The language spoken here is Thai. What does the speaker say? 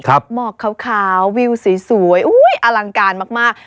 หมอกขาววิวสวยอลังการมาก